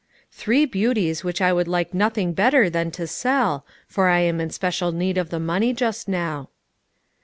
"Three beauties which I would like nothing better than to sell, for I am in special need of the money just now."